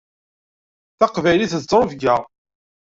Taqbaylit d ttrebga.